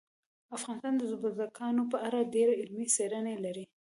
افغانستان د بزګانو په اړه ډېرې علمي څېړنې لري.